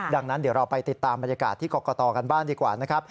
ดังนั้นเดี๋ยวเราไปติดตามบรรยากาศที่กรกตกันบ้างดีกว่านะครับ